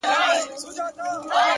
ستوري ډېوه سي !هوا خوره سي!